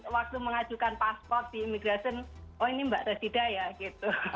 waktu mengajukan pasport di imigrasen oh ini mbak rosida ya gitu